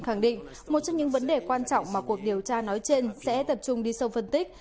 khẳng định một trong những vấn đề quan trọng mà cuộc điều tra nói trên sẽ tập trung đi sâu phân tích